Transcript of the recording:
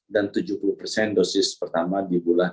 dan tujuh puluh persen dosis pertama di bulan